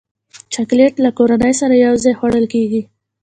چاکلېټ له کورنۍ سره یوځای خوړل کېږي.